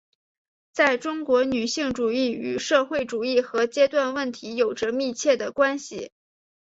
在中国女性主义与社会主义和阶级问题有着密切的关系。